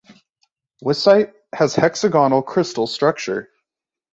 Weissite has hexagonal crystal structure.